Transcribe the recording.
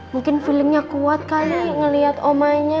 mungkin feelingnya kuat kali ngeliat omanya